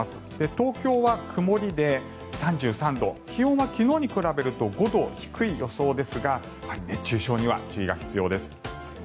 東京は曇りで３３度気温は昨日に比べると５度低い予想ですが熱中症には注意が必要です。